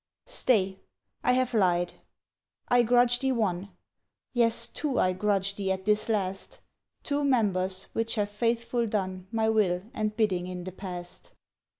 Stay! I have lied: I grudge thee one, Yes, two I grudge thee at this last, Two members which have faithful done My will and bidding in the past.